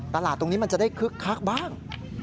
ตลาดตรงนี้มันจะได้คึกคักบ้าง